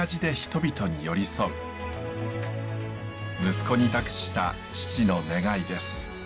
息子に託した父の願いです。